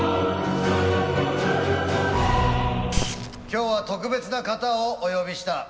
今日は特別な方をお呼びした。